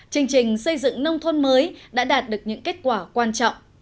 chương trình xây dựng nông thôn mới đã đạt được những kết quả quan trọng